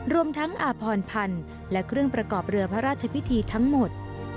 รวมทั้งอาพรพันธ์และเครื่องประกอบเรือพระราชพิธีทั้งหมด